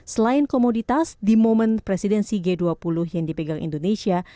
selain komoditas di momen presidensi g dua puluh yang dipegang indonesia